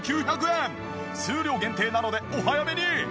数量限定なのでお早めに！